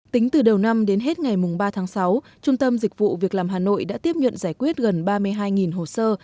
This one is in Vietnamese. tính từ đầu năm đến hết ngày ba tháng sáu trung tâm dịch vụ việc làm hà nội đã tiếp nhận giải quyết gần ba mươi hai hồ sơ